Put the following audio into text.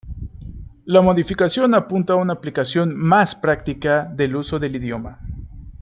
La modificación apunta a una aplicación más práctica del uso del idioma.